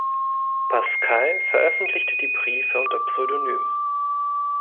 Pascal veröffentlichte die Briefe unter Pseudonym.